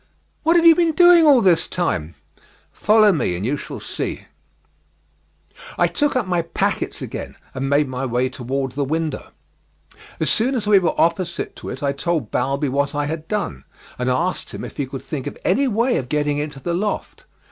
"What have you been doing all this time?" "Follow me, and you shall see." I took up my packets again and made my way towards the window. As soon as were opposite to it I told Balbi what I had done, and asked him if he could think of any way of getting into the loft.